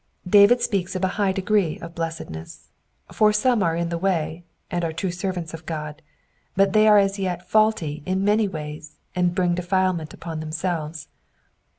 David speaks of a high degree of blessedness ; for some are in the way, and are true servants of God, but they are as yet faulty in many ways and bring defilement upon themselves.